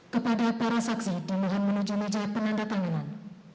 kepada para saksi dimohon menuju meja penandatanganan